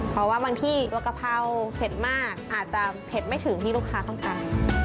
เพราะว่าบางที่ตัวกะเพราเผ็ดมากอาจจะเผ็ดไม่ถึงที่ลูกค้าต้องการ